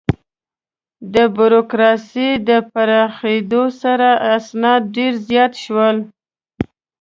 د بروکراسي د پراخېدو سره، اسناد ډېر زیات شول.